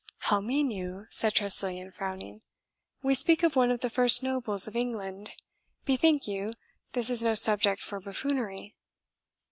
"How mean you?" said Tressilian, frowning; "we speak of one of the first nobles of England. Bethink you, this is no subject for buffoonery."